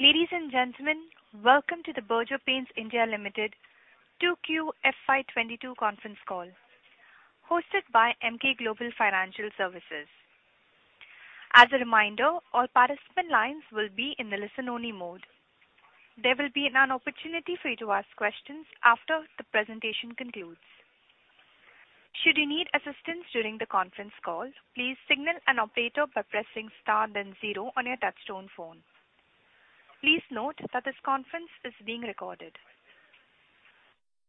Ladies and gentlemen, welcome to the Berger Paints India Limited 2Q FY 2022 conference call hosted by Emkay Global Financial Services. As a reminder, all participant lines will be in the listen-only mode. There will be an opportunity for you to ask questions after the presentation concludes. Should you need assistance during the conference call, please signal an operator by pressing star then zero on your touchtone phone. Please note that this conference is being recorded.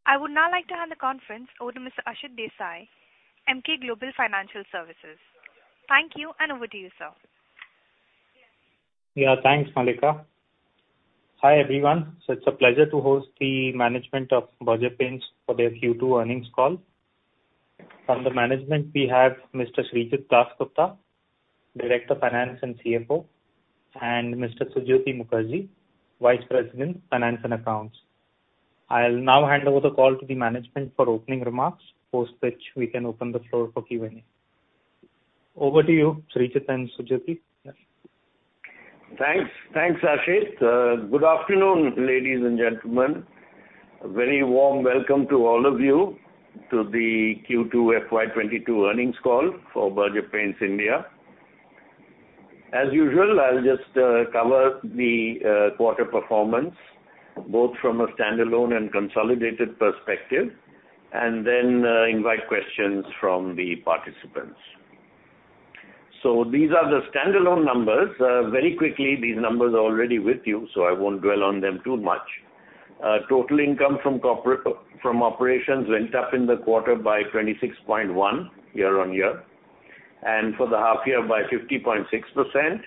I would now like to hand the conference over to Mr. Aashutosh Desai, Emkay Global Financial Services. Thank you and over to you, sir. Yeah, thanks, Mallika. Hi, everyone. It's a pleasure to host the management of Berger Paints for their Q2 earnings call. From the management, we have Mr. Srijit Dasgupta, Director Finance and CFO, and Mr. Sujyoti Mukherjee, Vice President, Finance and Accounts. I'll now hand over the call to the management for opening remarks, post which we can open the floor for Q&A. Over to you, Srijit and Sujyoti. Yes. Thanks, Ashit. Good afternoon, ladies and gentlemen. A very warm welcome to all of you to the Q2 FY22 earnings call for Berger Paints India. As usual, I'll just cover the quarter performance, both from a standalone and consolidated perspective, and then invite questions from the participants. These are the standalone numbers. Very quickly, these numbers are already with you, so I won't dwell on them too much. Total income from operations went up in the quarter by 26.1% year-on-year and for the half year by 50.6%.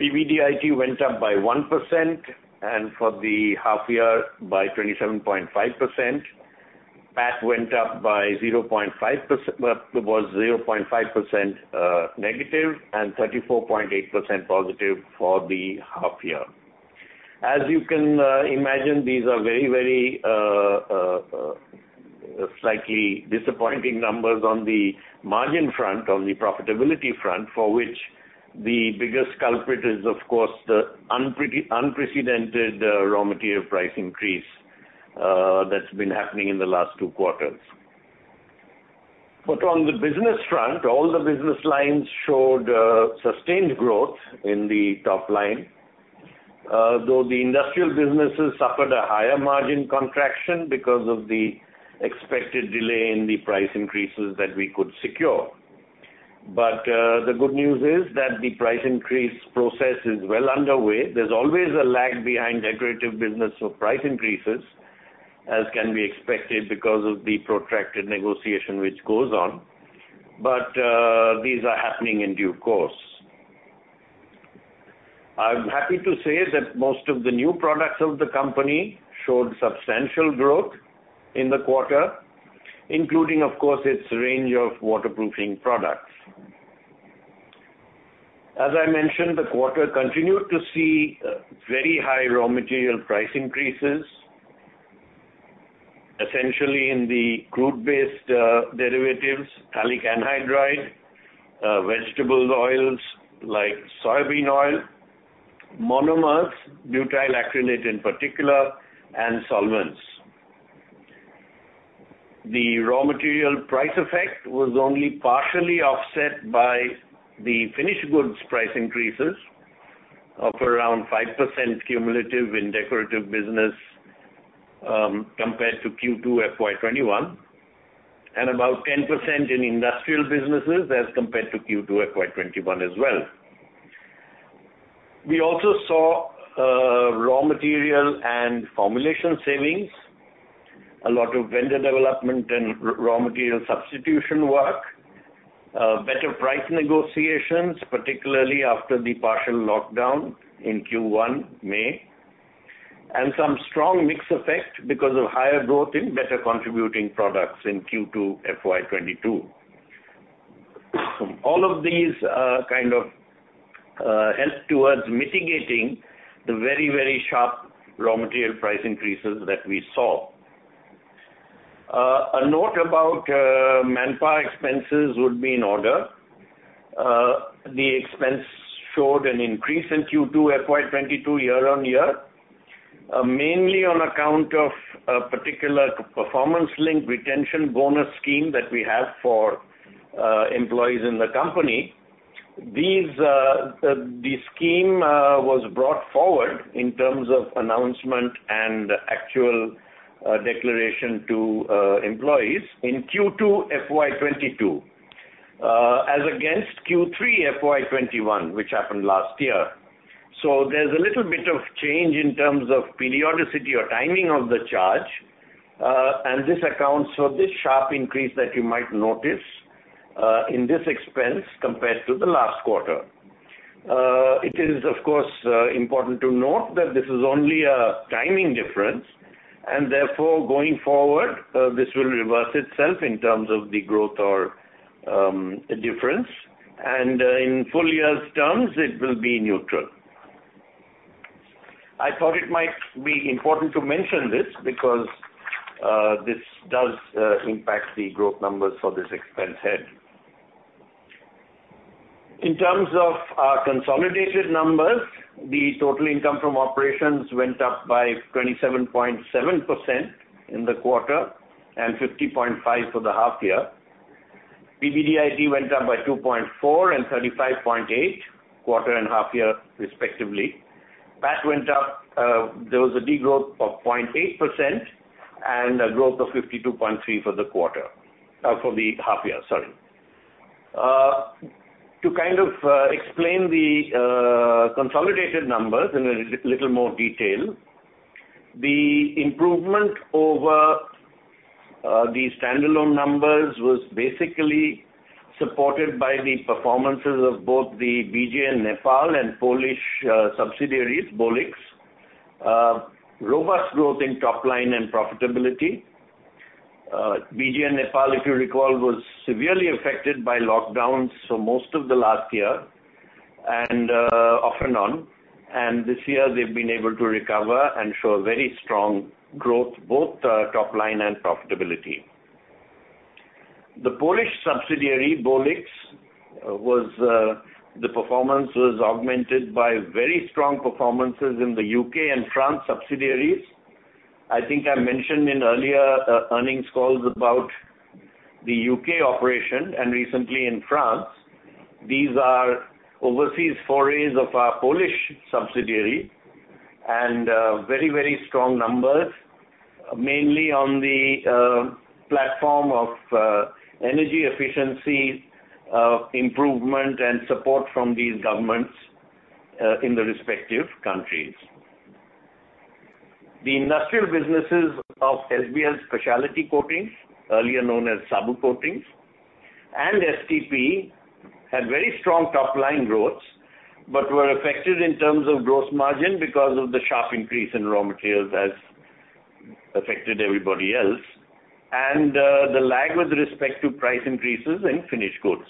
PBDIT went up by 1% and for the half year by 27.5%. PAT went up by -0.5%. Well, it was 0.5% negative and +34.8% positive for the half year. As you can imagine, these are very slightly disappointing numbers on the margin front, on the profitability front, for which the biggest culprit is of course the unprecedented raw material price increase that's been happening in the last two quarters. On the business front, all the business lines showed sustained growth in the top line, though the industrial businesses suffered a higher margin contraction because of the expected delay in the price increases that we could secure. The good news is that the price increase process is well underway. There's always a lag behind decorative business of price increases, as can be expected because of the protracted negotiation which goes on. These are happening in due course. I'm happy to say that most of the new products of the company showed substantial growth in the quarter, including of course its range of waterproofing products. As I mentioned, the quarter continued to see very high raw material price increases, essentially in the crude-based derivatives, phthalic anhydride, vegetable oils like soybean oil, monomers, butyl acrylate in particular, and solvents. The raw material price effect was only partially offset by the finished goods price increases of around 5% cumulative in decorative business, compared to Q2 FY 2021, and about 10% in industrial businesses as compared to Q2 FY 2021 as well. We also saw raw material and formulation savings, a lot of vendor development and raw material substitution work, better price negotiations, particularly after the partial lockdown in Q1 May, and some strong mix effect because of higher growth in better contributing products in Q2 FY 2022. All of these, kind of, help towards mitigating the very, very sharp raw material price increases that we saw. A note about manpower expenses would be in order. The expense showed an increase in Q2 FY 2022 year-on-year, mainly on account of a particular performance-linked retention bonus scheme that we have for employees in the company. These, the scheme was brought forward in terms of announcement and actual declaration to employees in Q2 FY 2022, as against Q3 FY 2021, which happened last year. There's a little bit of change in terms of periodicity or timing of the charge, and this accounts for this sharp increase that you might notice, in this expense compared to the last quarter. It is of course, important to note that this is only a timing difference and therefore going forward, this will reverse itself in terms of the growth or, difference. In full year's terms, it will be neutral. I thought it might be important to mention this because, this does, impact the growth numbers for this expense head. In terms of our consolidated numbers, the total income from operations went up by 27.7% in the quarter and 50.5% for the half year. PBDIT went up by 2.4% and 35.8% quarter and half year respectively. PAT went up, there was a degrowth of 0.8% and a growth of 52.3% for the quarter, for the half year, sorry. To kind of explain the consolidated numbers in a little more detail, the improvement over the standalone numbers was basically supported by the performances of both the BJN Nepal and Polish subsidiaries, Bolix. Robust growth in top line and profitability. BJN Nepal, if you recall, was severely affected by lockdowns for most of the last year and off and on. This year they've been able to recover and show very strong growth, both top line and profitability. The Polish subsidiary, Bolix, the performance was augmented by very strong performances in the U.K. and France subsidiaries. I think I mentioned in earlier earnings calls about the U.K. operation and recently in France. These are overseas forays of our Polish subsidiary and very, very strong numbers, mainly on the platform of energy efficiency improvement and support from these governments in the respective countries. The industrial businesses of SBL Specialty Coatings, earlier known as Saboo Coatings, and STP had very strong top line growths, but were affected in terms of gross margin because of the sharp increase in raw materials as affected everybody else, and the lag with respect to price increases in finished goods.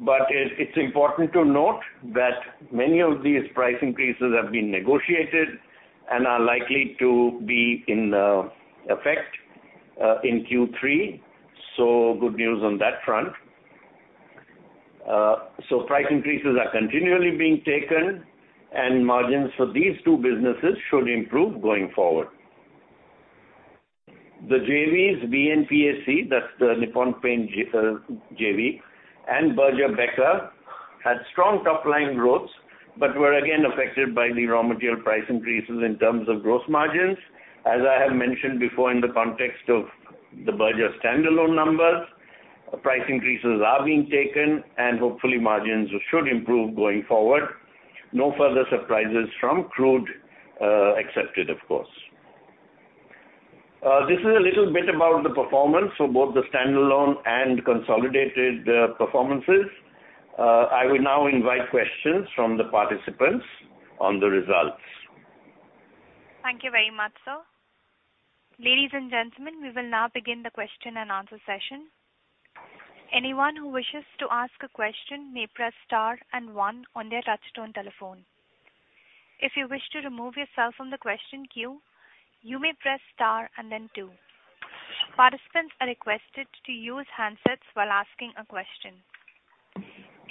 It's important to note that many of these price increases have been negotiated and are likely to be in effect in Q3. Good news on that front. Price increases are continually being taken, and margins for these two businesses should improve going forward. The JVs, BNPSC, that's the Nippon Paint JV, and Berger Becker had strong top-line growths, but were again affected by the raw material price increases in terms of gross margins. As I have mentioned before, in the context of the Berger standalone numbers, price increases are being taken and hopefully margins should improve going forward. No further surprises from crude, expected of course. This is a little bit about the performance for both the standalone and consolidated performances. I will now invite questions from the participants on the results. Thank you very much, sir. Ladies and gentlemen, we will now begin the question and answer session. Anyone who wishes to ask a question may press star and one on their touchtone telephone. If you wish to remove yourself from the question queue, you may press star and then two. Participants are requested to use handsets while asking a question.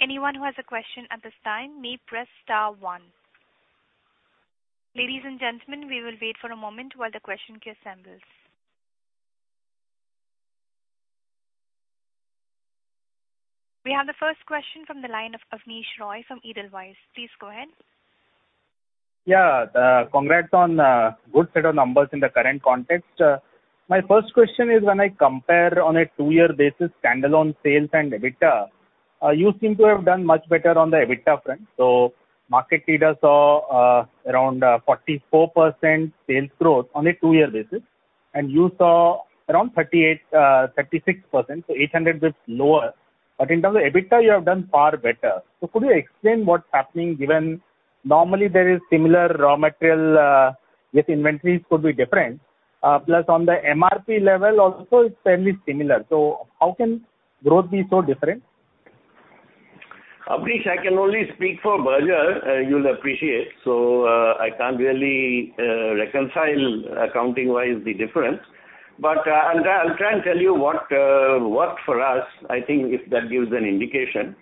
Anyone who has a question at this time may press star one. Ladies and gentlemen, we will wait for a moment while the question queue assembles. We have the first question from the line of Abneesh Roy from Edelweiss. Please go ahead. Yeah. Congrats on good set of numbers in the current context. My first question is when I compare on a two-year basis standalone sales and EBITDA, you seem to have done much better on the EBITDA front. Market leader saw around 44% sales growth on a two-year basis, and you saw around 36%, so 800 basis points lower. In terms of EBITDA you have done far better. Could you explain what's happening given normally there is similar raw material, with inventories could be different, plus on the MRP level also it's fairly similar, so how can growth be so different? Avnish, I can only speak for Berger, you'll appreciate. I can't really reconcile accounting-wise the difference. I'll try and tell you what worked for us, I think if that gives an indication.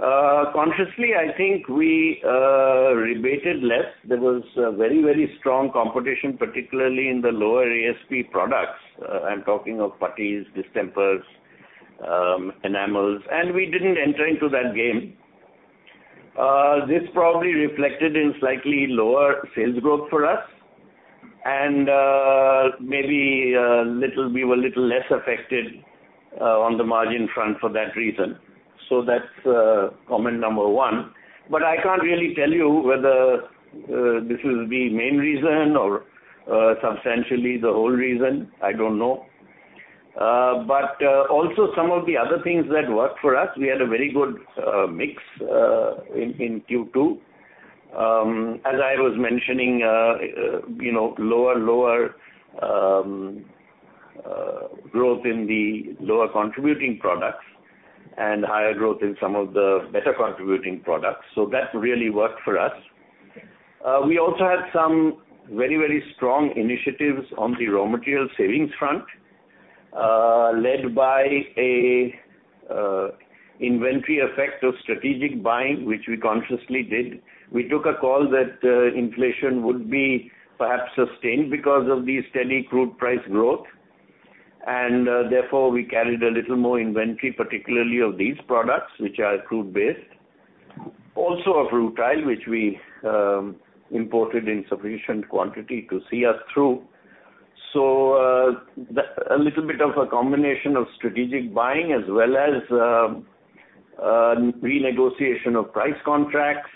Consciously, I think we rebated less. There was very, very strong competition, particularly in the lower ASP products. I'm talking of putties, distempers, enamels, and we didn't enter into that game. This probably reflected in slightly lower sales growth for us and maybe we were a little less affected on the margin front for that reason. That's comment number one. I can't really tell you whether this is the main reason or substantially the whole reason, I don't know. Also some of the other things that worked for us, we had a very good mix in Q2. As I was mentioning, you know, lower growth in the lower contributing products and higher growth in some of the better contributing products. That really worked for us. We also had some very strong initiatives on the raw material savings front, led by an inventory effect of strategic buying, which we consciously did. We took a call that inflation would be perhaps sustained because of the steady crude price growth. Therefore, we carried a little more inventory, particularly of these products, which are crude-based. Also of rutile, which we imported in sufficient quantity to see us through. A little bit of a combination of strategic buying as well as renegotiation of price contracts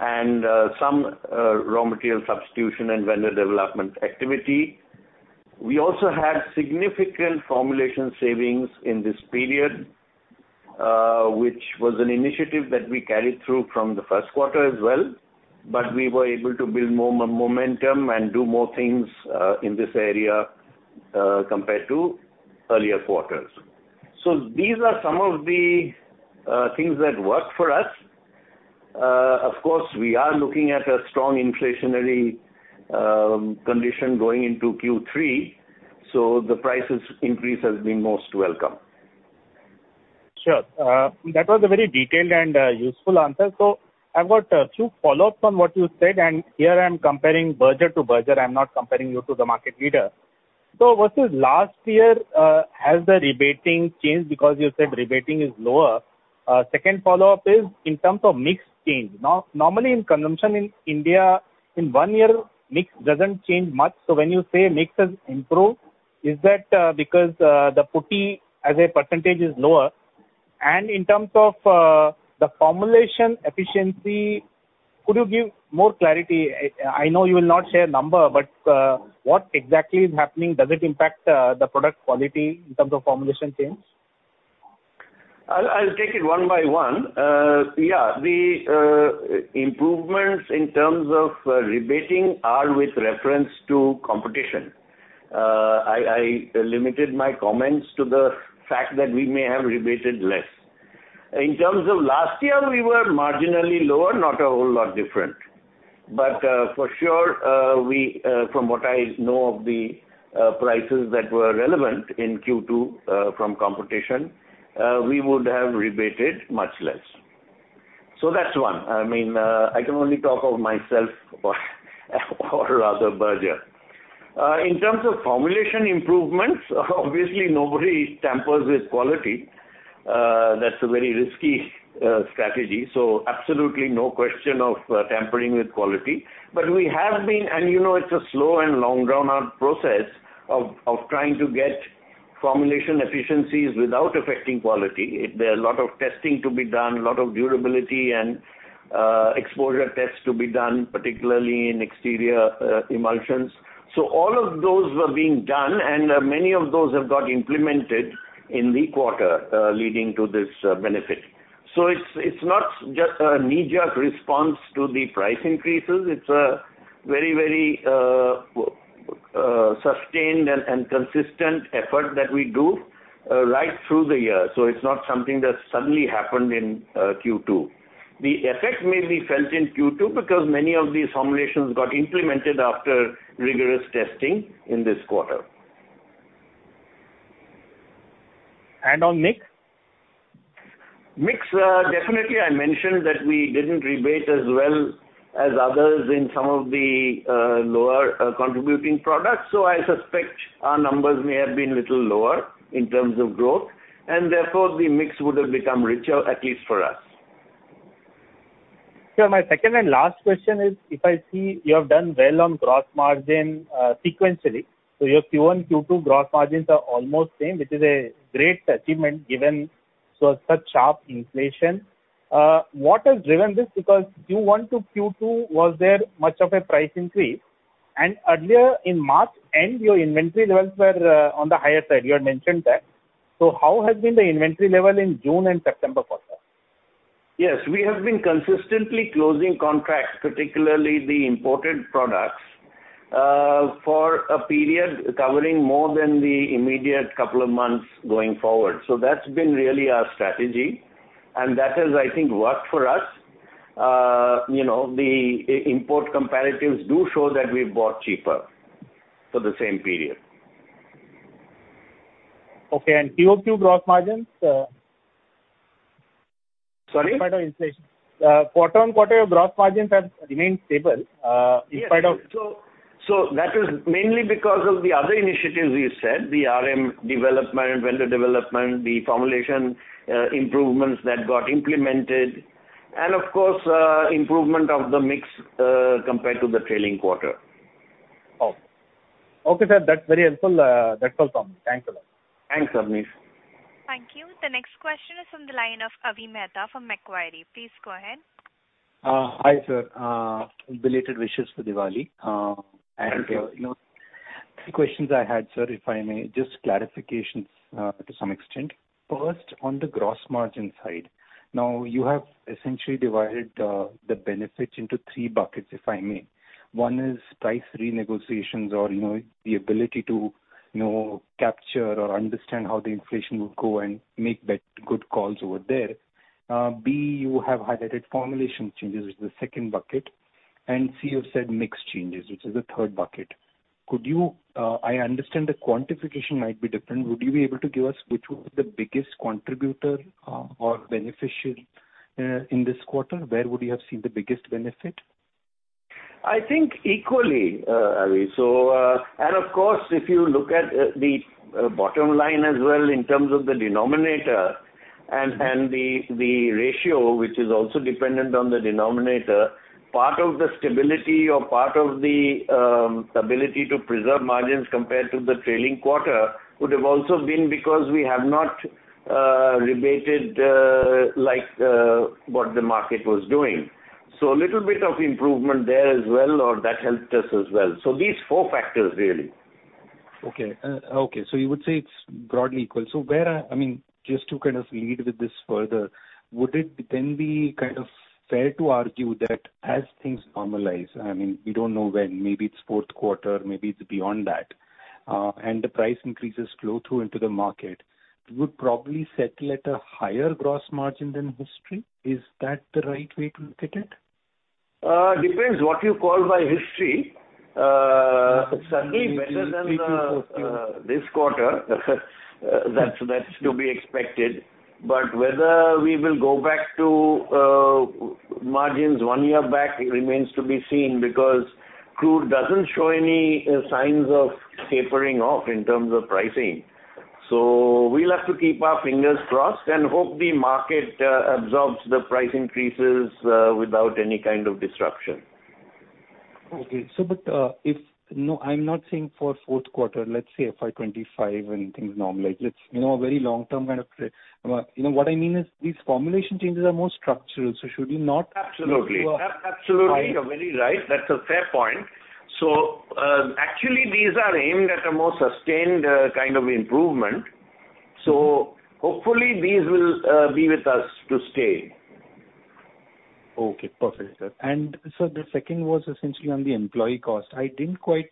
and some raw material substitution and vendor development activity. We also had significant formulation savings in this period, which was an initiative that we carried through from the first quarter as well, but we were able to build momentum and do more things in this area compared to earlier quarters. These are some of the things that worked for us. Of course, we are looking at a strong inflationary condition going into Q3, so the price increase has been most welcome. Sure. That was a very detailed and useful answer. I've got a few follow-ups on what you said, and here I'm comparing Berger to Berger. I'm not comparing you to the market leader. Versus last year, has the rebating changed? Because you said rebating is lower. Second follow-up is in terms of mix change. Normally in consumption in India, in one year, mix doesn't change much. When you say mix has improved, is that because the putty as a percentage is lower? And in terms of the formulation efficiency, could you give more clarity? I know you will not share a number, but what exactly is happening? Does it impact the product quality in terms of formulation change? I'll take it one by one. Yeah, the improvements in terms of rebating are with reference to competition. I limited my comments to the fact that we may have rebated less. In terms of last year, we were marginally lower, not a whole lot different. For sure, we from what I know of the prices that were relevant in Q2 from competition, we would have rebated much less. That's one. I mean, I can only talk of myself or rather Berger. In terms of formulation improvements, obviously nobody tampers with quality. That's a very risky strategy, so absolutely no question of tampering with quality. We have been, and you know it's a slow and long drawn-out process of trying to get formulation efficiencies without affecting quality. There are a lot of testing to be done, a lot of durability and exposure tests to be done, particularly in exterior emulsions. All of those were being done and many of those have got implemented in the quarter, leading to this benefit. It's not just a knee-jerk response to the price increases. It's a very sustained and consistent effort that we do right through the year. It's not something that suddenly happened in Q2. The effect may be felt in Q2 because many of these formulations got implemented after rigorous testing in this quarter. On mix? Mix, definitely I mentioned that we didn't rebate as well as others in some of the lower contributing products. I suspect our numbers may have been a little lower in terms of growth. Therefore, the mix would have become richer, at least for us. Sure. My second and last question is if I see you have done well on gross margin, sequentially. Your Q1, Q2 gross margins are almost same, which is a great achievement given such sharp inflation. What has driven this? Because Q1 to Q2, was there much of a price increase? Earlier in March end, your inventory levels were on the higher side. You had mentioned that. How has been the inventory level in June and September quarter? Yes, we have been consistently closing contracts, particularly the imported products, for a period covering more than the immediate couple of months going forward. That's been really our strategy, and that has, I think, worked for us. You know, the import comparatives do show that we bought cheaper for the same period. Okay. Q-over-Q gross margins. Sorry? In spite of inflation, quarter-over-quarter, your gross margins have remained stable, in spite of. Yes. That is mainly because of the other initiatives we said, the RM development, vendor development, the formulation, improvements that got implemented, and of course, improvement of the mix, compared to the trailing quarter. Oh. Okay, sir. That's very helpful. That's all from me. Thanks a lot. Thanks, Abneesh. Thank you. The next question is from the line of Avi Mehta from Macquarie. Please go ahead. Hi, sir. Belated wishes for Diwali. Thank you. You know, three questions I had, sir, if I may. Just clarifications to some extent. First, on the gross margin side. Now, you have essentially divided the benefits into three buckets, if I may. One is price renegotiations or, you know, the ability to, you know, capture or understand how the inflation will go and make good calls over there. B, you have highlighted formulation changes as the second bucket. And C, you said mix changes, which is the third bucket. Could you? I understand the quantification might be different. Would you be able to give us which was the biggest contributor or beneficial in this quarter? Where would you have seen the biggest benefit? I think equally, Avi. Of course, if you look at the bottom line as well in terms of the denominator and the ratio, which is also dependent on the denominator, part of the stability or part of the ability to preserve margins compared to the trailing quarter would have also been because we have not rebated, like, what the market was doing. A little bit of improvement there as well, or that helped us as well. These four factors really. You would say it's broadly equal. Where, I mean, just to kind of lead with this further, would it then be kind of fair to argue that as things normalize, I mean, we don't know when, maybe it's fourth quarter, maybe it's beyond that, and the price increases flow through into the market, it would probably settle at a higher gross margin than history. Is that the right way to look at it? Depends what you call my history. Certainly better than this quarter. That's to be expected. But whether we will go back to margins one year back remains to be seen because crude doesn't show any signs of tapering off in terms of pricing. We'll have to keep our fingers crossed and hope the market absorbs the price increases without any kind of disruption. No, I'm not saying for fourth quarter, let's say FY 2025 when things normalize. It's you know a very long-term kind of. You know what I mean is these formulation changes are more structural, so should we not- Absolutely. go up high? Absolutely. You're very right. That's a fair point. Actually these are aimed at a more sustained, kind of improvement. Hopefully these will be with us to stay. Okay. Perfect, sir. Sir, the second was essentially on the employee cost. I didn't quite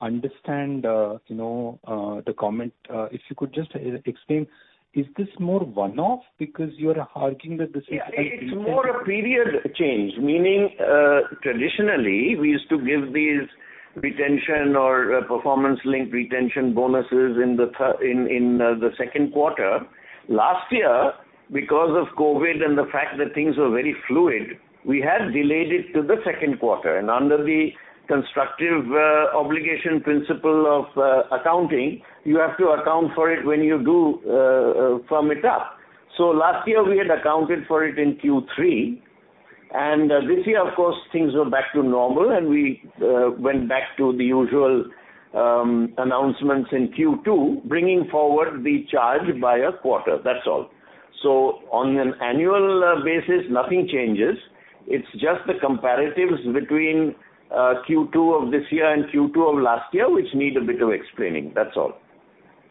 understand the comment. If you could just explain, is this more one-off because you're arguing that this is a retention- Yeah, it's more a period change. Meaning, traditionally we used to give these retention or performance-linked retention bonuses in the second quarter. Last year, because of COVID and the fact that things were very fluid, we had delayed it to the second quarter. Under the constructive obligation principle of accounting, you have to account for it when you do firm it up. Last year we had accounted for it in Q3, and this year, of course, things were back to normal and we went back to the usual announcements in Q2, bringing forward the charge by a quarter. That's all. On an annual basis, nothing changes. It's just the comparatives between Q2 of this year and Q2 of last year which need a bit of explaining. That's all.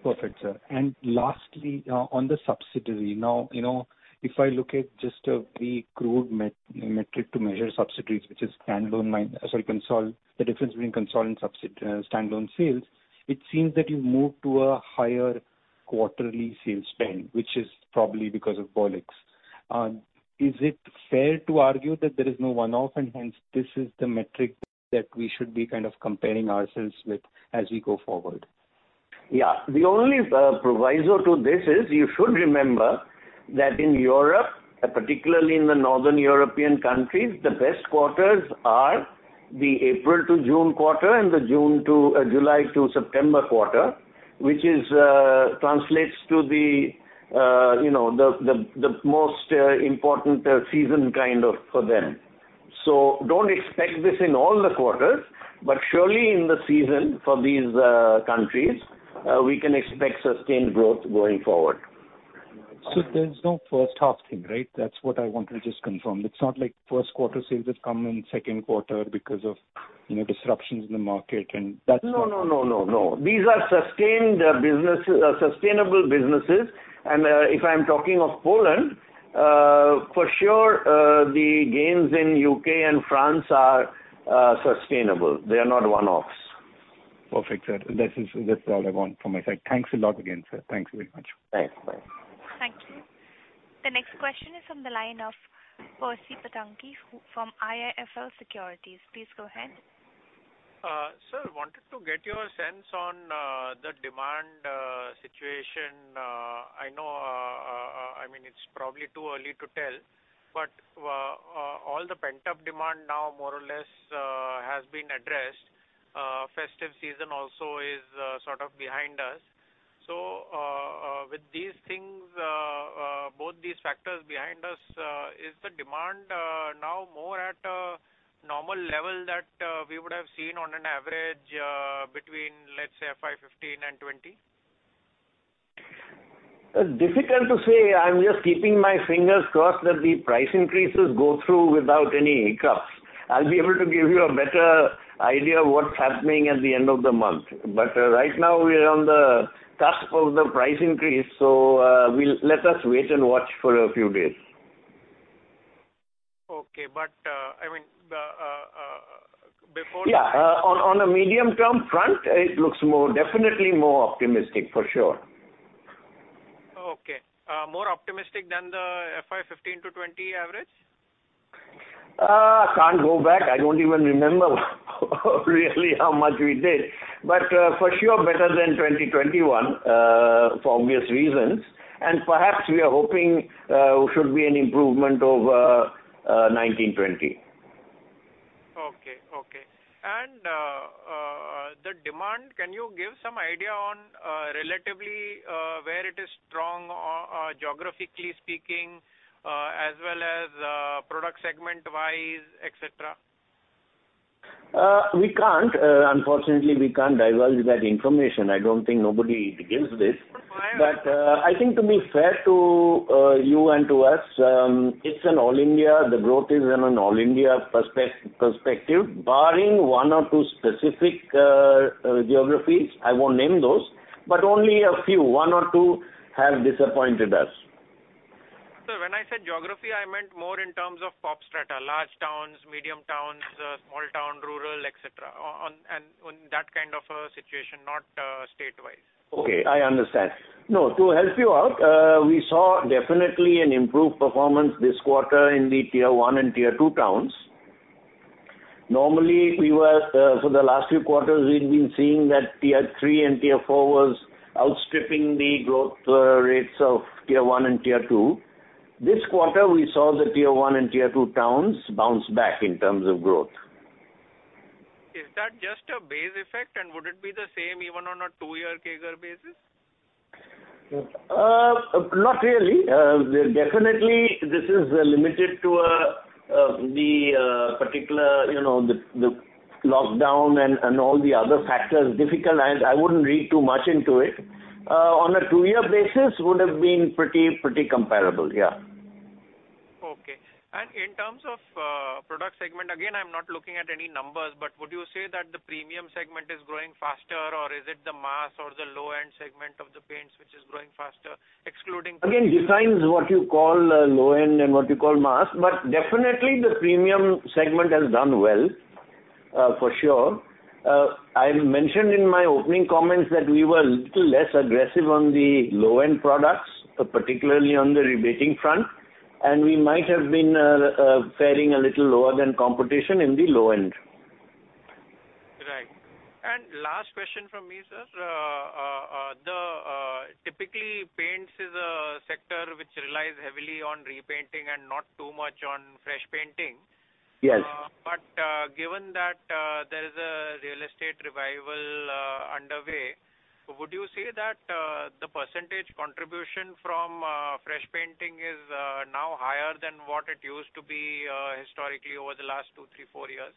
Perfect, sir. Lastly, on the subsidiary. Now, you know, if I look at just a very crude metric to measure subsidiaries, which is the difference between consolidated and standalone sales, it seems that you've moved to a higher quarterly sales spend, which is probably because of Bolix. Is it fair to argue that there is no one-off and hence this is the metric that we should be kind of comparing ourselves with as we go forward? Yeah. The only proviso to this is you should remember that in Europe, particularly in the Northern European countries, the best quarters are the April to June quarter and the July to September quarter, which translates to, you know, the most important season kind of for them. Don't expect this in all the quarters, but surely in the season for these countries, we can expect sustained growth going forward. There's no first half thing, right? That's what I want to just confirm. It's not like first quarter sales have come in second quarter because of, you know, disruptions in the market and that's not. No. These are sustainable businesses. If I'm talking of Poland, for sure, the gains in the U.K. and France are sustainable. They are not one-offs. Perfect, sir. That's all I want from my side. Thanks a lot again, sir. Thanks very much. Thanks. Bye. Thank you. The next question is from the line of Percy Panthaki from IIFL Securities. Please go ahead. Sir, I wanted to get your sense on the demand situation. I know, I mean, it's probably too early to tell, but all the pent-up demand now more or less has been addressed. Festive season also is sort of behind us. With these things, both these factors behind us, is the demand now more at a normal level that we would have seen on an average between, let's say FY 2015 and 2020? It's difficult to say. I'm just keeping my fingers crossed that the price increases go through without any hiccups. I'll be able to give you a better idea of what's happening at the end of the month. Right now we are on the cusp of the price increase, so we'll wait and watch for a few days. Okay. I mean, the before. On a medium-term front, it looks more, definitely more optimistic for sure. Okay. More optimistic than the FY 2015-2020 average? Can't go back. I don't even remember really how much we did. For sure better than 2021, for obvious reasons. Perhaps we are hoping, should be an improvement over, 1920. Okay. The demand, can you give some idea on relatively where it is strong geographically speaking as well as product segment-wise, et cetera? We can't. Unfortunately, we can't divulge that information. I don't think nobody gives this. Why. I think to be fair to you and to us, it's an all-India perspective. The growth is in an all-India perspective. Barring one or two specific geographies, I won't name those, but only a few, one or two have disappointed us. Sir, when I said geography, I meant more in terms of pop strata, large towns, medium towns, small town, rural, et cetera, and on that kind of a situation, not state-wise. Okay, I understand. No, to help you out, we saw definitely an improved performance this quarter in the tier one and tier two towns. Normally, for the last few quarters, we've been seeing that tier three and tier four was outstripping the growth rates of tier one and tier two. This quarter, we saw the tier one and tier two towns bounce back in terms of growth. Is that just a base effect? Would it be the same even on a two-year CAGR basis? Not really. Definitely, this is limited to the particular, you know, the lockdown and all the other factors difficult, and I wouldn't read too much into it. On a two-year basis, would have been pretty comparable. Yeah. In terms of product segment, again, I'm not looking at any numbers, but would you say that the premium segment is growing faster, or is it the mass or the low-end segment of the paints which is growing faster excluding. Again, it defines what you call low-end and what you call mass. Definitely the premium segment has done well, for sure. I mentioned in my opening comments that we were a little less aggressive on the low-end products, particularly on the rebating front, and we might have been faring a little lower than competition in the low-end. Right. Last question from me, sir. Typically paints is a sector which relies heavily on repainting and not too much on fresh painting. Yes. Given that there is a real estate revival underway, would you say that the percentage contribution from fresh painting is now higher than what it used to be historically over the last 2, 3, 4 years?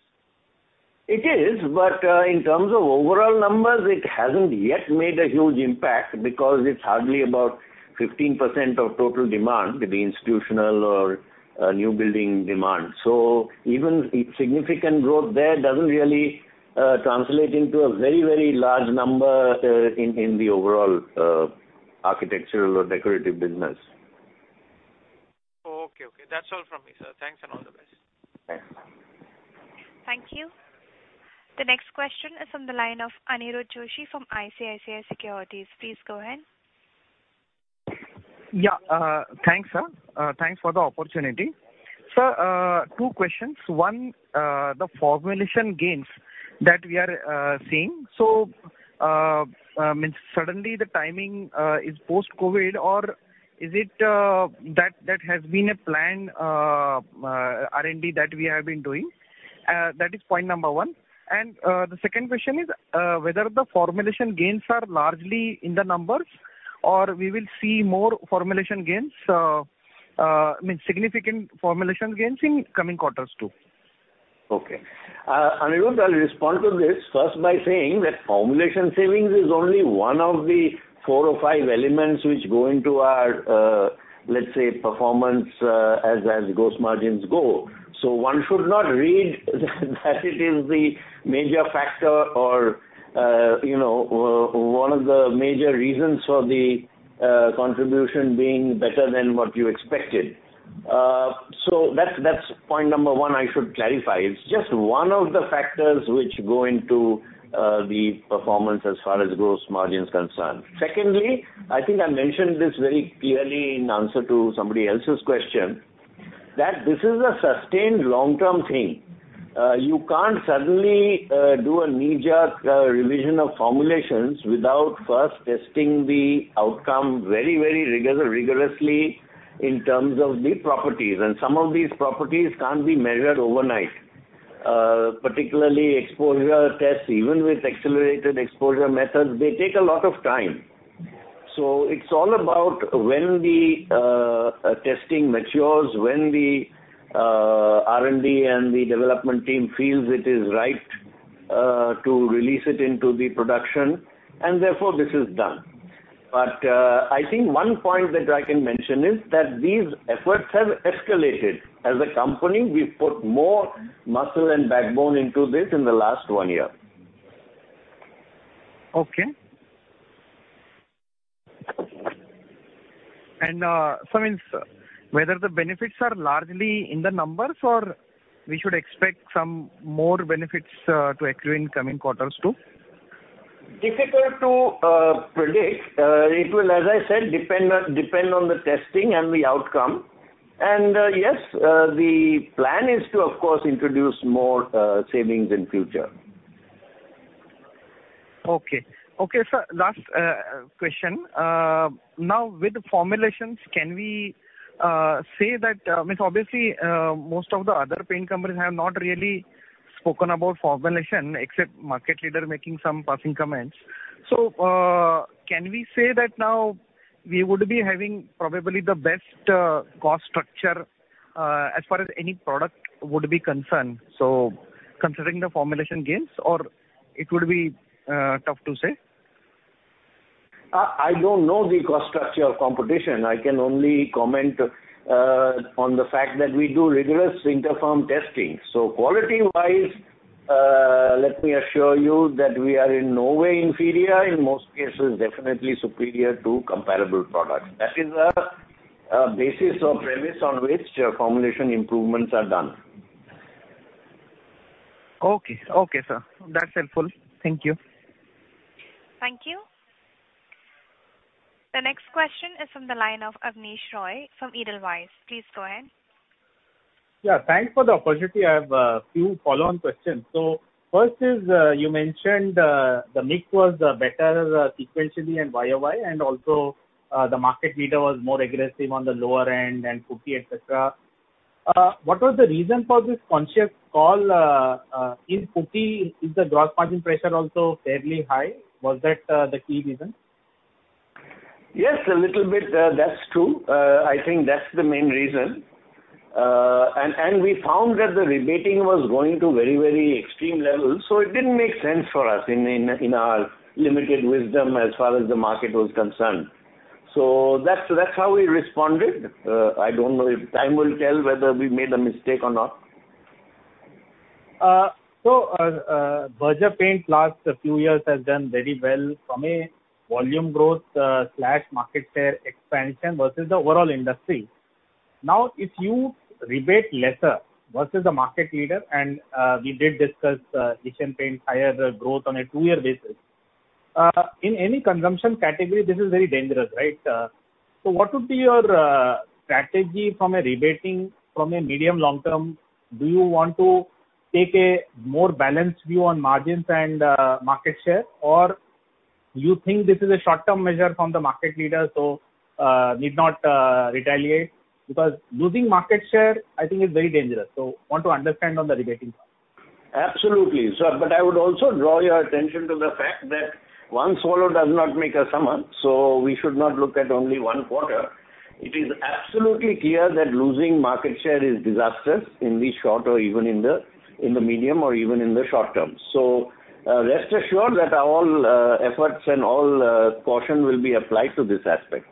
It is, but in terms of overall numbers, it hasn't yet made a huge impact because it's hardly about 15% of total demand, the institutional or new building demand. Even a significant growth there doesn't really translate into a very, very large number in the overall architectural or decorative business. Okay. That's all from me, sir. Thanks and all the best. Thanks. Thank you. The next question is on the line of Aniruddha Joshi from ICICI Securities. Please go ahead. Yeah. Thanks, sir. Thanks for the opportunity. Sir, two questions. One, the formulation gains that we are seeing. I mean, suddenly the timing is post-COVID or is it that has been a planned R&D that we have been doing? That is point number one. The second question is whether the formulation gains are largely in the numbers or we will see more formulation gains, I mean, significant formulation gains in coming quarters too. Okay. Anirudh, I'll respond to this first by saying that formulation savings is only one of the four or five elements which go into our, let's say, performance, as gross margins go. So one should not read that it is the major factor or, you know, one of the major reasons for the contribution being better than what you expected. So that's point number one I should clarify. It's just one of the factors which go into the performance as far as gross margin is concerned. Secondly, I think I mentioned this very clearly in answer to somebody else's question, that this is a sustained long-term thing. You can't suddenly do a knee-jerk revision of formulations without first testing the outcome very rigorously in terms of the properties, and some of these properties can't be measured overnight. Particularly exposure tests, even with accelerated exposure methods, they take a lot of time. It's all about when the testing matures, when the R&D and the development team feels it is right to release it into the production, and therefore this is done. I think one point that I can mention is that these efforts have escalated. As a company, we've put more muscle and backbone into this in the last one year. Does it mean whether the benefits are largely in the numbers or we should expect some more benefits to accrue in coming quarters too? Difficult to predict. It will, as I said, depend on the testing and the outcome. Yes, the plan is to, of course, introduce more savings in future. Okay, sir, last question. Now with the formulations, can we say that means obviously most of the other paint companies have not really spoken about formulation except market leader making some passing comments. Can we say that now we would be having probably the best cost structure as far as any product would be concerned, so considering the formulation gains, or it would be tough to say? I don't know the cost structure of competition. I can only comment on the fact that we do rigorous inter-firm testing. Quality-wise, let me assure you that we are in no way inferior, in most cases, definitely superior to comparable products. That is a basis or premise on which formulation improvements are done. Okay. Okay, sir. That's helpful. Thank you. Thank you. The next question is from the line of Abneesh Roy from Edelweiss. Please go ahead. Yeah, thanks for the opportunity. I have a few follow-on questions. First is, you mentioned the mix was better sequentially and YOY, and also the market leader was more aggressive on the lower end and putty, et cetera. What was the reason for this conscious call in putty? Is the gross margin pressure also fairly high? Was that the key reason? Yes, a little bit. That's true. I think that's the main reason. We found that the rebating was going to very, very extreme levels, so it didn't make sense for us in our limited wisdom as far as the market was concerned. That's how we responded. I don't know if time will tell whether we made a mistake or not. Berger Paints last few years has done very well from a volume growth slash market share expansion versus the overall industry. Now, if you rebate lesser versus the market leader, and we did discuss Asian Paints higher growth on a two-year basis. In any consumption category, this is very dangerous, right? What would be your strategy from a rebating from a medium long term? Do you want to take a more balanced view on margins and market share? Or you think this is a short-term measure from the market leader, so need not retaliate? Because losing market share, I think is very dangerous. Want to understand on the rebating part. Absolutely. I would also draw your attention to the fact that one swallow does not make a summer, so we should not look at only one quarter. It is absolutely clear that losing market share is disastrous in the short or even in the medium or even in the short term. Rest assured that all efforts and all caution will be applied to this aspect.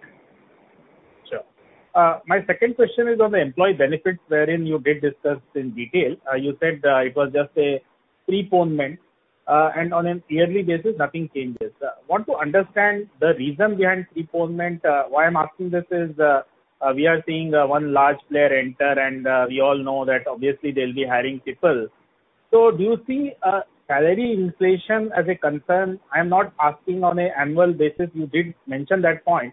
Sure. My second question is on the employee benefits wherein you did discuss in detail. You said it was just a preponement, and on a yearly basis, nothing changes. I want to understand the reason behind preponement. Why I'm asking this is we are seeing one large player enter, and we all know that obviously they'll be hiring people. Do you see salary inflation as a concern? I am not asking on an annual basis. You did mention that point.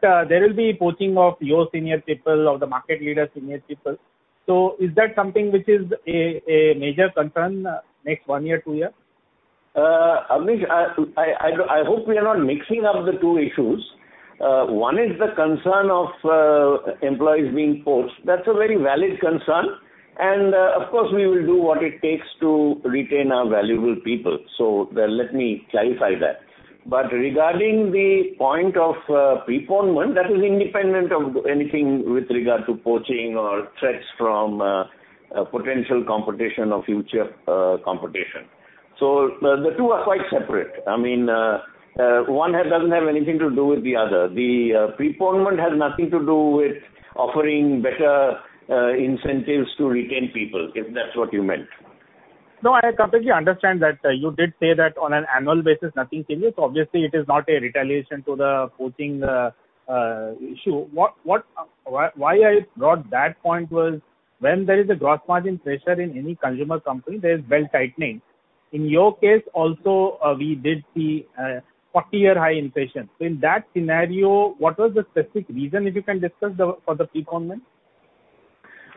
There will be poaching of your senior people, of the market leader senior people. Is that something which is a major concern next one year, two year? Avnish, I hope we are not mixing up the two issues. One is the concern of employees being poached. That's a very valid concern. Of course, we will do what it takes to retain our valuable people. Let me clarify that. Regarding the point of preponement, that is independent of anything with regard to poaching or threats from potential competition or future competition. The two are quite separate. I mean, one doesn't have anything to do with the other. The preponement has nothing to do with offering better incentives to retain people, if that's what you meant. No, I completely understand that. You did say that on an annual basis, nothing changes. Obviously, it is not a retaliation to the poaching issue. Why I brought that point was when there is a gross margin pressure in any consumer company, there is belt-tightening. In your case also, we did see 40-year high inflation. So in that scenario, what was the specific reason, if you can discuss the, for the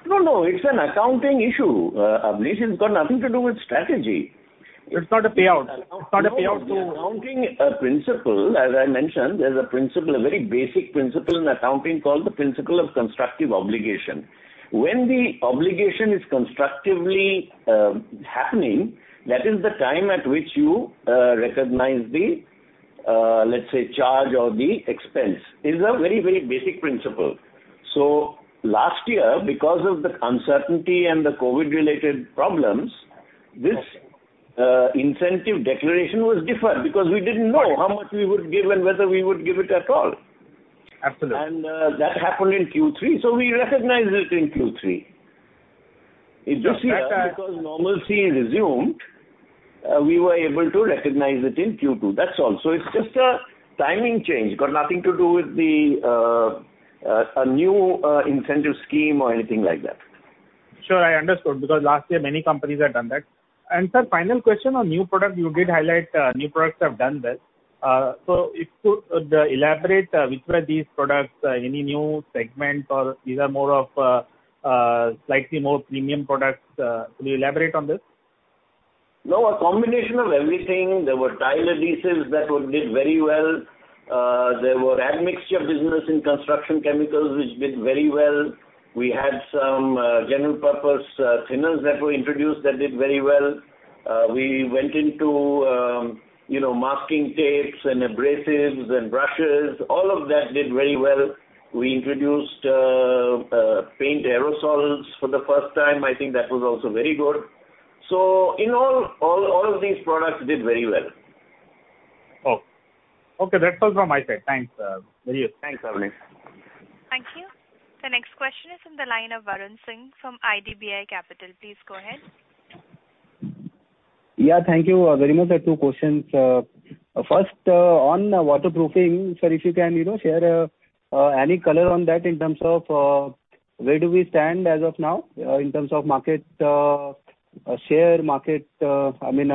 preponement? No, no, it's an accounting issue. Abneesh, it's got nothing to do with strategy. It's not a payout. No. Accounting principle, as I mentioned, there's a principle, a very basic principle in accounting called the principle of constructive obligation. When the obligation is constructively happening, that is the time at which you recognize the, let's say, charge or the expense. This is a very, very basic principle. Last year, because of the uncertainty and the COVID-related problems, this incentive declaration was deferred because we didn't know how much we would give and whether we would give it at all. Absolutely. That happened in Q3, so we recognized it in Q3. It's just because normalcy resumed, we were able to recognize it in Q2, that's all. It's just a timing change, got nothing to do with the, a new, incentive scheme or anything like that. Sure, I understood, because last year many companies have done that. Sir, final question on new product, you did highlight new products have done well. If you could elaborate, which were these products, any new segment or these are more of slightly more premium products, could you elaborate on this? No, a combination of everything. There were tile adhesives that did very well. There were admixtures business in construction chemicals which did very well. We had some general purpose thinners that were introduced that did very well. We went into you know masking tapes and abrasives and brushes, all of that did very well. We introduced paint aerosols for the first time. I think that was also very good. In all of these products did very well. Oh. Okay, that's all from my side. Thanks, very useful. Thanks, Abneesh. Thank you. The next question is in the line of Varun Singh from IDBI Capital. Please go ahead. Yeah, thank you very much. I have two questions. First, on waterproofing, sir, if you can, you know, share any color on that in terms of where do we stand as of now in terms of market share, I mean,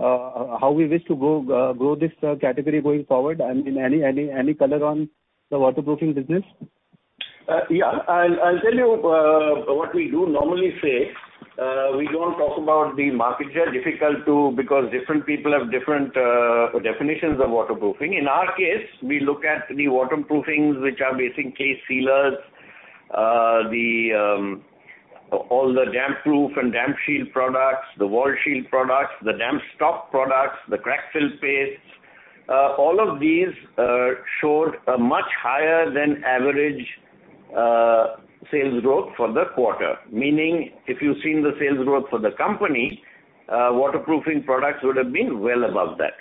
how we wish to grow this category going forward? I mean, any color on the waterproofing business? I'll tell you what we do normally say. We don't talk about the market share. It's difficult because different people have different definitions of waterproofing. In our case, we look at the waterproofings which are basically sealers, all the Damp Proof and Damp Shield products, the Wall Shield products, the Damp Stop products, the Crack Fill Pastes. All of these showed a much higher than average sales growth for the quarter. Meaning, if you've seen the sales growth for the company, waterproofing products would have been well above that.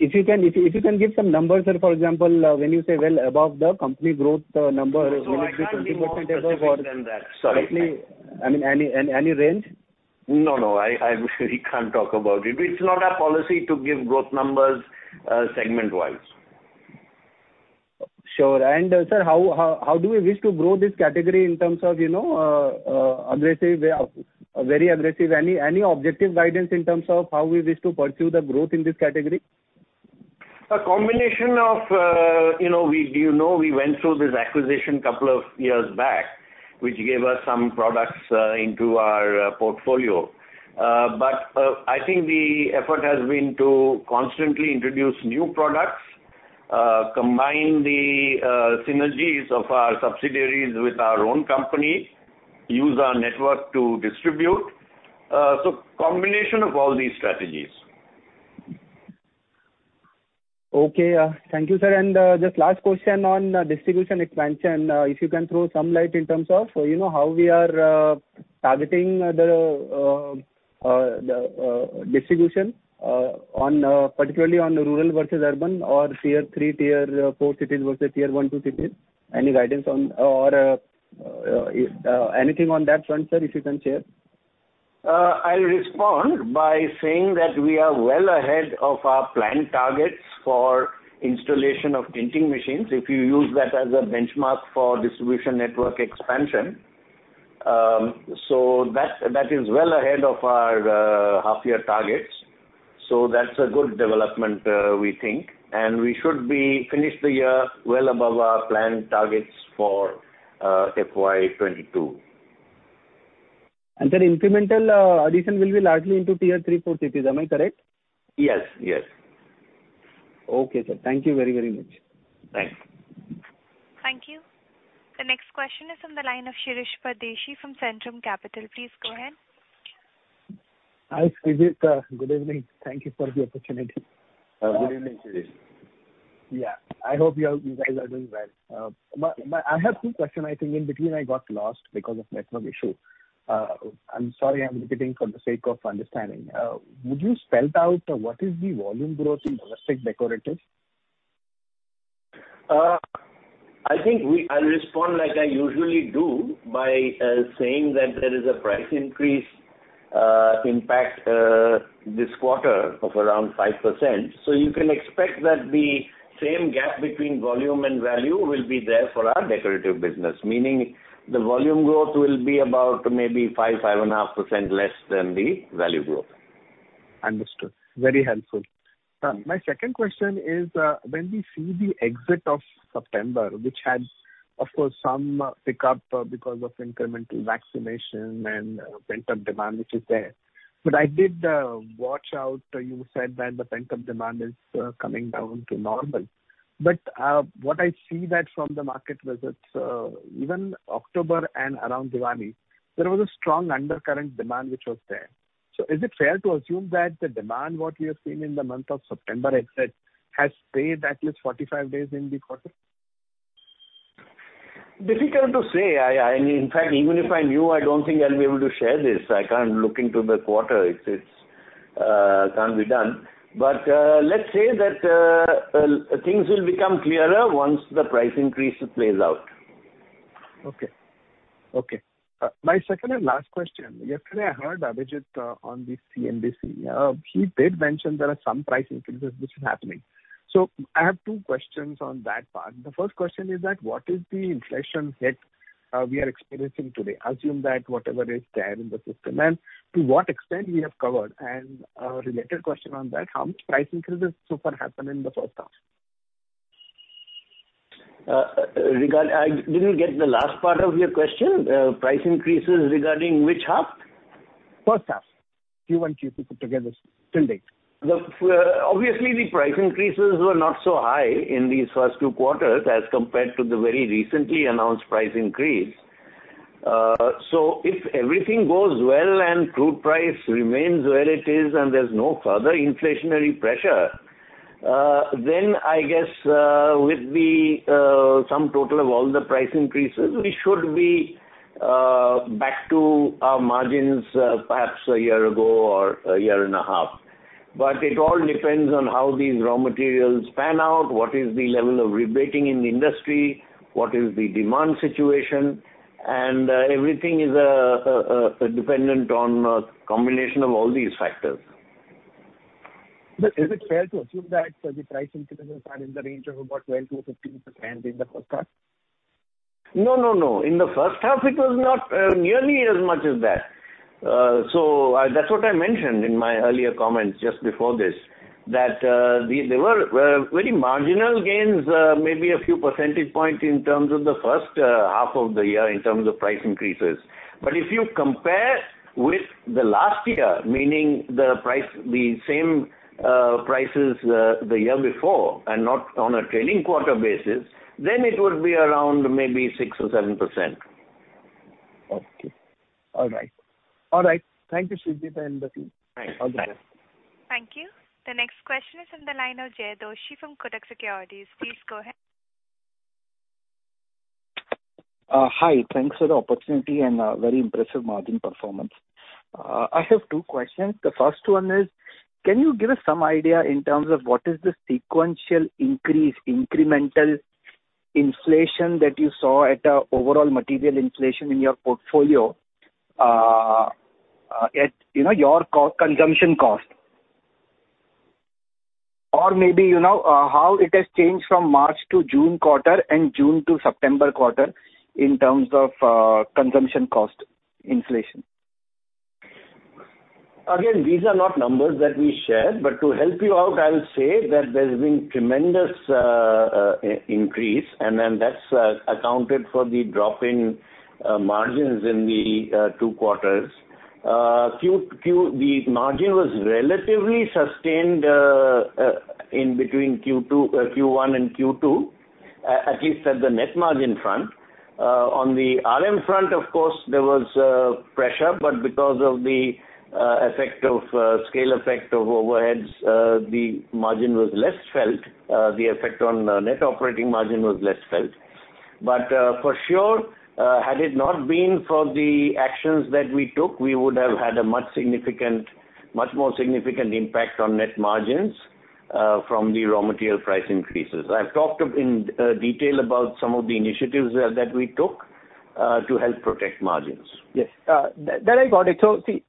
If you can give some numbers, sir, for example, when you say well above the company growth, number will it be 20%. I can't be more specific than that. Sorry. I mean, any range? No, we can't talk about it. It's not our policy to give growth numbers, segment-wise. Sure. Sir, how do we wish to grow this category in terms of, you know, aggressive, very aggressive, any objective guidance in terms of how we wish to pursue the growth in this category? A combination of, you know, we went through this acquisition couple of years back, which gave us some products into our portfolio. I think the effort has been to constantly introduce new products, combine the synergies of our subsidiaries with our own company, use our network to distribute. Combination of all these strategies. Okay. Thank you, sir. Just last question on distribution expansion. If you can throw some light in terms of, you know, how we are targeting the distribution, particularly on rural versus urban or tier 3, tier 4 cities versus tier 1, 2 cities. Any guidance or anything on that front, sir, if you can share? I'll respond by saying that we are well ahead of our planned targets for installation of tinting machines, if you use that as a benchmark for distribution network expansion. That is well ahead of our half-year targets. That's a good development, we think. We should be finished the year well above our planned targets for FY 2022. Sir, incremental addition will be largely into tier 3, 4 cities. Am I correct? Yes, yes. Okay, sir. Thank you very, very much. Thanks. Thank you. The next question is on the line of Shirish Pardeshi from Centrum Broking. Please go ahead. Hi, Srijit. Good evening. Thank you for the opportunity. Good evening, Shirish. I hope you guys are doing well. I have two question. I think in between I got lost because of network issue. I'm sorry I'm repeating for the sake of understanding. Would you spell out what is the volume growth in domestic decorative? I'll respond like I usually do by saying that there is a price increase impact this quarter of around 5%. You can expect that the same gap between volume and value will be there for our decorative business. Meaning the volume growth will be about maybe 5.5% less than the value growth. Understood. Very helpful. My second question is, when we see the exit of September, which had, of course, some pickup because of incremental vaccination and pent-up demand which is there. I did watch out, you said that the pent-up demand is coming down to normal. What I see that from the market visits, even October and around Diwali, there was a strong undercurrent demand which was there. Is it fair to assume that the demand, what we have seen in the month of September exit has stayed at least 45 days in the quarter? Difficult to say. I mean, in fact, even if I knew, I don't think I'll be able to share this. I can't look into the quarter. It can't be done. Let's say that, things will become clearer once the price increase plays out. Okay, my second and last question, yesterday I heard Abhijit on CNBC. He did mention there are some price increases which are happening. I have two questions on that part. The first question is that what is the inflation hit we are experiencing today? Assume that whatever is there in the system. To what extent we have covered? A related question on that, how much price increases so far happened in the first half? I didn't get the last part of your question. Price increases regarding which half? First half, Q1 and Q2 put together to date. Obviously the price increases were not so high in these first two quarters as compared to the very recently announced price increase. If everything goes well and crude price remains where it is and there's no further inflationary pressure, then I guess, with the sum total of all the price increases, we should be back to our margins, perhaps a year ago or a year and a half. It all depends on how these raw materials pan out, what is the level of rebating in the industry, what is the demand situation, and everything is dependent on a combination of all these factors. Is it fair to assume that the price increases are in the range of about 12%-15% in the first half? No, no. In the first half, it was not nearly as much as that. That's what I mentioned in my earlier comments just before this, that they were very marginal gains, maybe a few percentage points in terms of the first half of the year in terms of price increases. If you compare with the last year, meaning the price, the same prices, the year before and not on a trailing quarter basis, then it would be around maybe 6% or 7%. All right. Thank you, Srijit, and the team. Thanks. Bye. All the best. Thank you. The next question is from the line of Jay Doshi from Kotak Securities. Please go ahead. Hi. Thanks for the opportunity and very impressive margin performance. I have two questions. The first one is, can you give us some idea in terms of what is the sequential increase, incremental inflation that you saw in overall material inflation in your portfolio, you know, your cost of consumption? Or maybe, you know, how it has changed from March to June quarter and June to September quarter in terms of consumption cost inflation? Again, these are not numbers that we share. To help you out, I'll say that there's been tremendous increase, and then that's accounted for the drop in margins in the two quarters. In Q2, the margin was relatively sustained in between Q2, Q1 and Q2, at least at the net margin front. On the RM front, of course, there was pressure, but because of the effect of scale effect of overheads, the margin was less felt. The effect on net operating margin was less felt. For sure, had it not been for the actions that we took, we would have had a much more significant impact on net margins from the raw material price increases. I've talked in detail about some of the initiatives that we took to help protect margins. Yes, that I got it. See,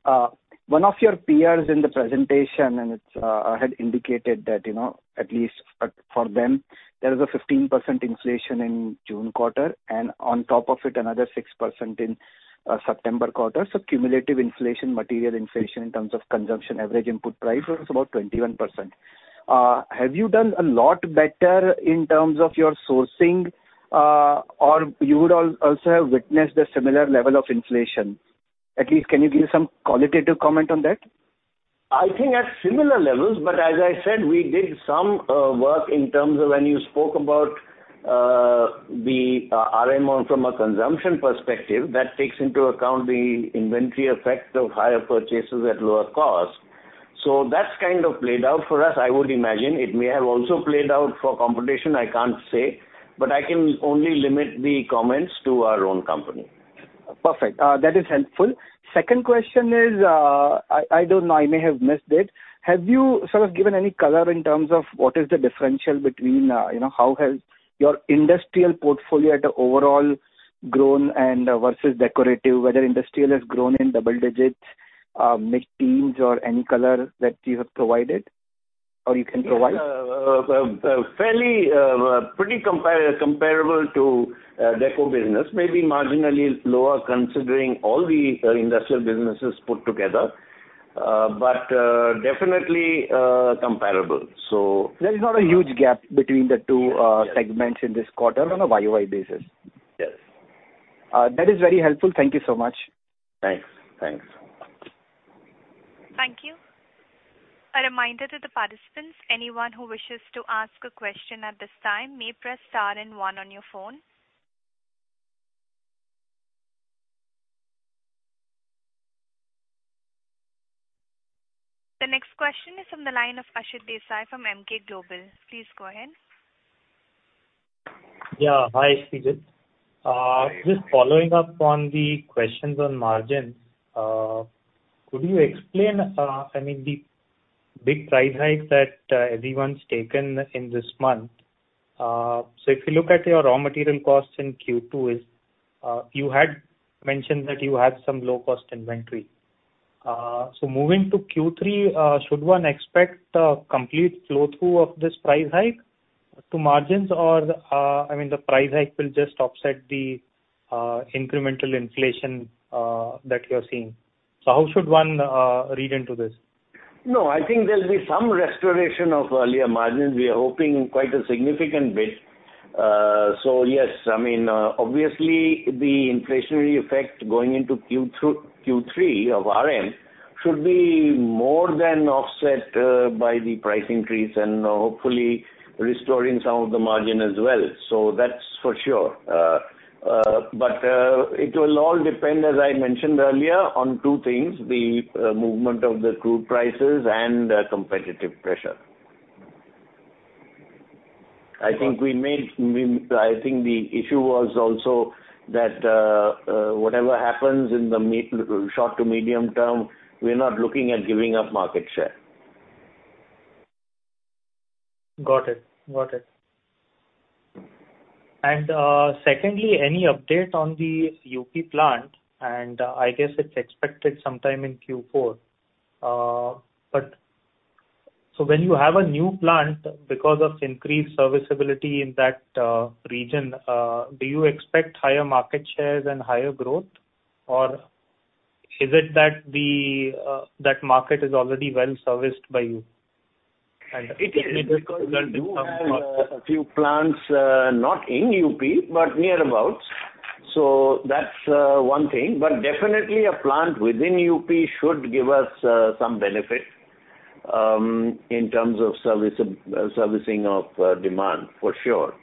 one of your peers in the presentation had indicated that, you know, at least for them, there is a 15% inflation in June quarter, and on top of it, another 6% in September quarter. Cumulative inflation, material inflation in terms of consumption, average input price was about 21%. Have you done a lot better in terms of your sourcing, or you would also have witnessed a similar level of inflation? At least can you give some qualitative comment on that? I think at similar levels, but as I said, we did some work in terms of when you spoke about the RM on from a consumption perspective, that takes into account the inventory effect of higher purchases at lower cost. So that's kind of played out for us, I would imagine. It may have also played out for competition, I can't say, but I can only limit the comments to our own company. Perfect. That is helpful. Second question is, I don't know, I may have missed it. Have you sort of given any color in terms of what is the differential between, you know, how has your industrial portfolio at the overall grown and versus decorative, whether industrial has grown in double digits, mid-teens or any color that you have provided or you can provide? Yeah. Fairly pretty comparable to deco business. Maybe marginally lower considering all the industrial businesses put together. Definitely comparable. There is not a huge gap between the two. Yes. Segments in this quarter on a YOY basis. Yes. That is very helpful. Thank you so much. Thanks. Thanks. Thank you. A reminder to the participants, anyone who wishes to ask a question at this time may press star and one on your phone. The next question is from the line of Aashutosh Desai from Emkay Global. Please go ahead. Yeah. Hi, Srijit. Just following up on the questions on margins. Could you explain, I mean, the big price hike that everyone's taken in this month. If you look at your raw material costs in Q2, you had mentioned that you had some low cost inventory. Moving to Q3, should one expect a complete flow through of this price hike to margins? Or, I mean, the price hike will just offset the incremental inflation that you're seeing. How should one read into this? No, I think there'll be some restoration of earlier margins. We are hoping quite a significant bit. Yes, I mean, obviously the inflationary effect going into Q2-Q3 of RM should be more than offset by the price increase and hopefully restoring some of the margin as well. That's for sure. It will all depend, as I mentioned earlier, on two things, the movement of the crude prices and the competitive pressure. I think the issue was also that whatever happens in the short to medium term, we're not looking at giving up market share. Got it. Secondly, any update on the UP plant, and I guess it's expected sometime in Q4. When you have a new plant because of increased serviceability in that region, do you expect higher market shares and higher growth, or is it that the market is already well serviced by you and It is because we do have a few plants not in UP, but near about. That's one thing. Definitely a plant within UP should give us some benefit in terms of service, servicing of demand for sure.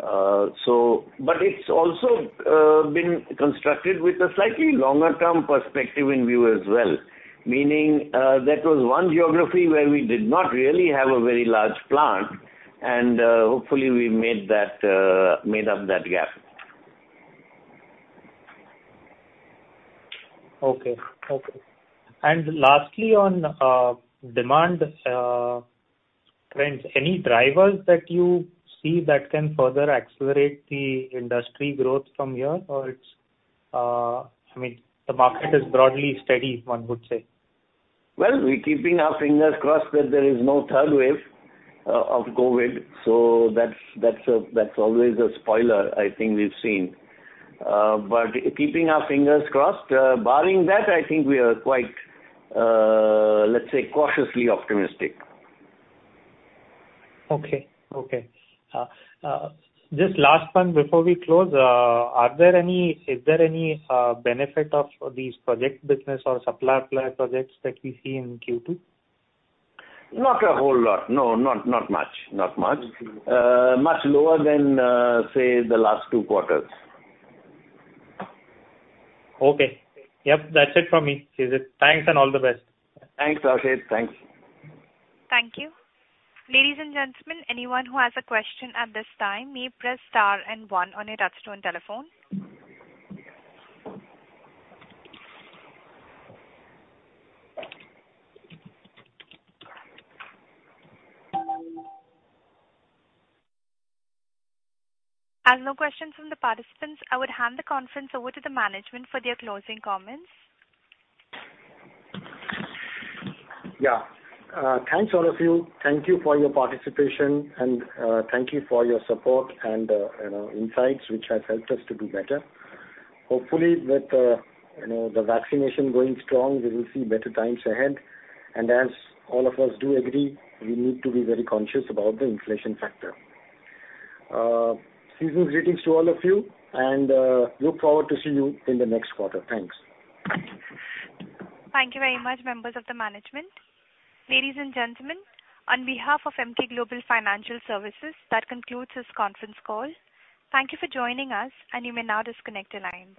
It's also been constructed with a slightly longer term perspective in view as well. Meaning, that was one geography where we did not really have a very large plant and hopefully we made up that gap. Okay. Lastly, on demand trends, any drivers that you see that can further accelerate the industry growth from here or it's, I mean, the market is broadly steady, one would say? Well, we're keeping our fingers crossed that there is no third wave of COVID. That's always a spoiler, I think we've seen. Keeping our fingers crossed. Barring that, I think we are quite, let's say cautiously optimistic. Just last one before we close. Is there any benefit of these project business or supplier projects that we see in Q2? Not a whole lot. No, not much. Okay. Much lower than, say, the last two quarters. Okay. Yep. That's it from me, Srijit. Thanks, and all the best. Thanks, Ashish. Thanks. Thank you. Ladies and gentlemen, anyone who has a question at this time may press star and one on your touch-tone telephone. As there are no questions from the participants, I would hand the conference over to the management for their closing comments. Yeah. Thanks all of you. Thank you for your participation, and thank you for your support and you know, insights which has helped us to do better. Hopefully with you know, the vaccination going strong, we will see better times ahead. As all of us do agree, we need to be very conscious about the inflation factor. Season's greetings to all of you and look forward to see you in the next quarter. Thanks. Thank you very much, members of the management. Ladies and gentlemen, on behalf of Emkay Global Financial Services, that concludes this conference call. Thank you for joining us and you may now disconnect your lines.